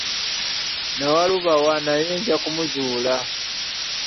Nnawalubawa naye nja kumuzuula.